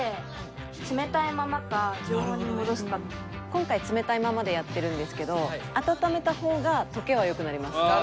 今回冷たいままでやってるんですけど温めた方が溶けはよくなります。